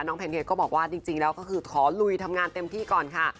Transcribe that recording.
แพนเค้กก็บอกว่าจริงแล้วก็คือขอลุยทำงานเต็มที่ก่อนค่ะ